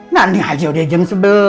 nanti aja udah jam sebelas